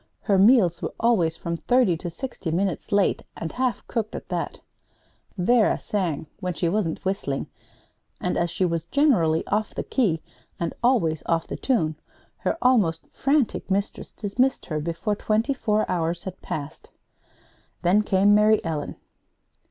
Her meals were always from thirty to sixty minutes late, and half cooked at that. Vera sang when she wasn't whistling and as she was generally off the key, and always off the tune, her almost frantic mistress dismissed her before twenty four hours had passed. Then came Mary Ellen.